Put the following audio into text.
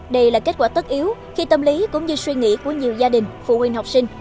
đây là kết quả tất yếu khi tâm lý cũng như suy nghĩ của nhiều gia đình phụ huynh học sinh